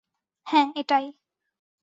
হ্যাঁ, এটাই।